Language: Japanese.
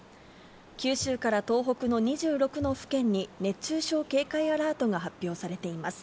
九州から東北の２６の府県に熱中症警戒アラートが発表されています。